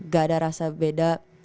gak ada rasa beda